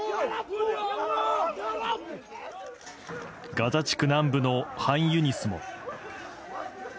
ガザ地区南部のハンユニスも。